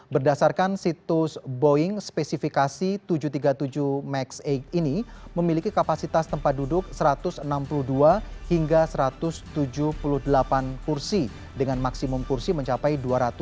berdasarkan situs boeing spesifikasi tujuh ratus tiga puluh tujuh max delapan ini memiliki kapasitas tempat duduk satu ratus enam puluh dua hingga satu ratus tujuh puluh delapan kursi dengan maksimum kursi mencapai dua ratus dua puluh